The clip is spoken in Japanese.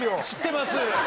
知ってます。